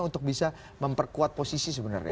untuk bisa memperkuat posisi sebenarnya